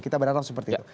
kita berharap seperti itu